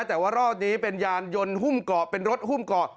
แต่ว่ารอบนี้เป็นยานยนต์หุ้มเกาะเป็นรถหุ้มเกาะ